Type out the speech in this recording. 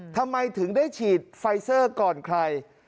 ทำไมถึงได้ฉีดไฟเซอร์ก่อนใคร